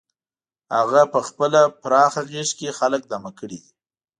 هغه په خپله پراخه غېږه کې خلک دمه کړي دي.